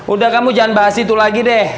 udah kamu jangan bahas itu lagi deh